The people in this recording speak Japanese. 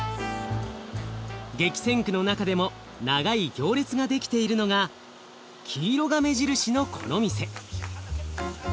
激戦区の中でも長い行列が出来ているのが黄色が目印のこの店。